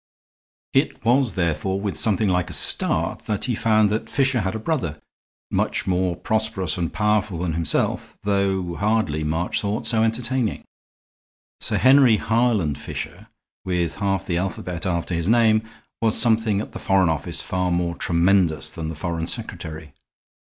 It was, therefore, with something like a start that he found that Fisher had a brother, much more prosperous and powerful than himself, though hardly, March thought, so entertaining. Sir Henry Harland Fisher, with half the alphabet after his name, was something at the Foreign Office far more tremendous than the Foreign Secretary.